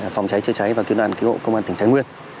phòng cháy chữa cháy và cứu nạn cứu hộ công an tỉnh thái nguyên